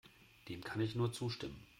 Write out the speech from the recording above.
Dem kann ich nur zustimmen.